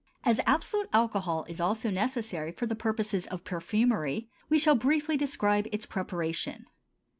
As absolute alcohol is also necessary for the purposes of perfumery, we shall briefly describe its preparation.